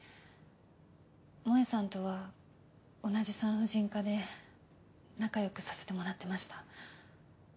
萌さんとは同じ産婦人科で仲よくさせてもらってました。